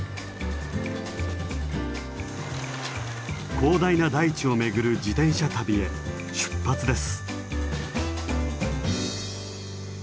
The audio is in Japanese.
広大な大地を巡る自転車旅へ出発です！